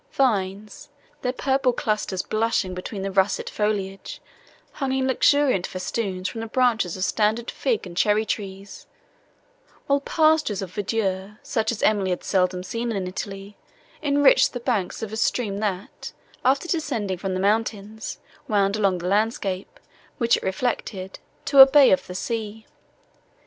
Vines, their purple clusters blushing between the russet foliage, hung in luxuriant festoons from the branches of standard fig and cherry trees, while pastures of verdure, such as Emily had seldom seen in Italy, enriched the banks of a stream that, after descending from the mountains, wound along the landscape, which it reflected, to a bay of the sea.